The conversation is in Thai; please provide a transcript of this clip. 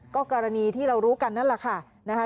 ก็กรณีที่เรารู้กันนั่นแหละค่ะนะคะ